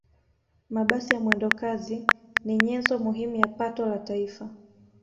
mabasi ya mwendokazi ni nyenzo muhimu ya pato la taifa